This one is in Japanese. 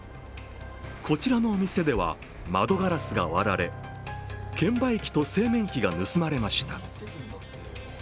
こちらのお店では窓ガラスが割られ、券売機と製麺機が盗まれました。